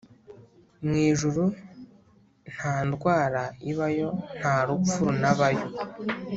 mu ijuru ntandwara ibayo nta rupfu runabayo